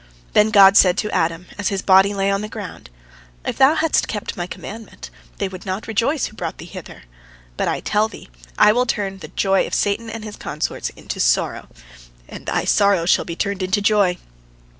Then God said to Adam, as his body lay on the ground: "If thou hadst kept My commandment, they would not rejoice who brought thee hither. But I tell thee, I will turn the joy of Satan and his consorts into sorrow, and thy sorrow shall be turned into joy.